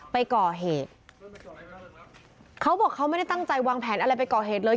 ไปก่อเหตุเขาบอกเขาไม่ได้ตั้งใจวางแผนอะไรไปก่อเหตุเลย